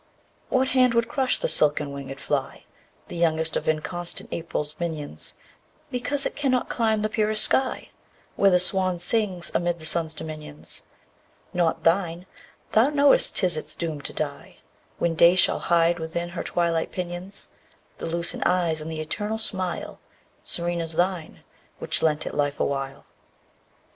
2. What hand would crush the silken winged fly, The youngest of inconstant April's minions, _10 Because it cannot climb the purest sky, Where the swan sings, amid the sun's dominions? Not thine. Thou knowest 'tis its doom to die, When Day shall hide within her twilight pinions The lucent eyes, and the eternal smile, _15 Serene as thine, which lent it life awhile.